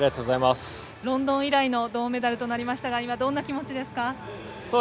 ロンドン以来の銅メダルとなりましたが今、どんな気持ちですか？